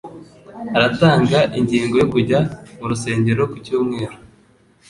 Aratanga ingingo yo kujya mu rusengero ku cyumweru.